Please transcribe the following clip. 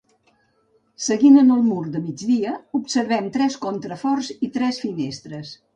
Seguint en el mur de migdia, observem tres contraforts i tres finestres.